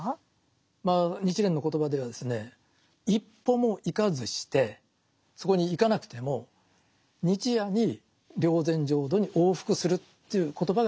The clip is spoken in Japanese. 日蓮の言葉ではですね一歩も行かずしてそこに行かなくても日夜に霊山浄土に往復するという言葉が使われてますね。